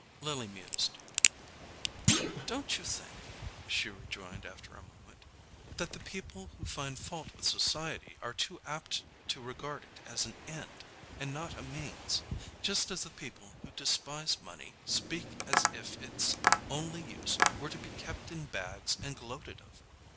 Lily mused. "Don't you think," she rejoined after a moment, "that the people who find fault with society are too apt to regard it as an end and not a means, just as the people who despise money speak as if its only use were to be kept in bags and gloated over?